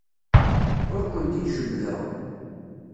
Ur kent-id-jebbdeɣ.